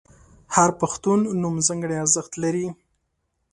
• هر پښتو نوم ځانګړی ارزښت لري.